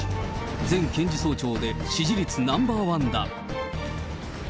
前検事総長で、支持率ナンバー１だ。